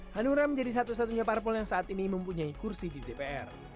hanura menjadi satu satunya parpol yang saat ini mempunyai kursi di dpr